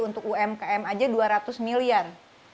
untuk umkm aja dua ratus miliar